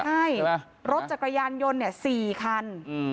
ใช่รถจักรยานยนต์๔คัน